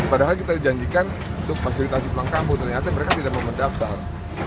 padahal kita dijanjikan untuk fasilitasi pulang kampung ternyata mereka tidak mau mendaftar